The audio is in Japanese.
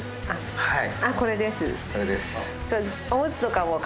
はい。